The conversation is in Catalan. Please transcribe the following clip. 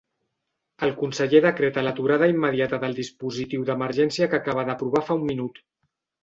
El conseller decreta l'aturada immediata del dispositiu d'emergència que acaba d'aprovar fa un minut.